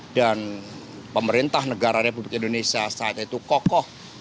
pemerintah negara republik indonesia saat itu kokoh